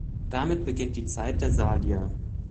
Damit beginnt die Zeit der Salier.